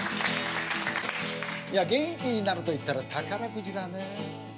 いや元気になるといったら宝くじだねえ。